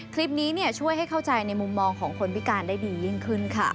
คลิปนี้ช่วยให้เข้าใจในมุมมองของคนพิการได้ดียิ่งขึ้นค่ะ